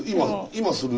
今する？